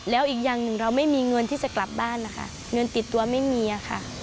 แล้วอีกอย่างหนึ่งเราไม่มีเงินที่จะกลับบ้านนะคะเงินติดตัวไม่มีค่ะ